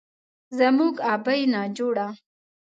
زموږ ابۍ ناجوړه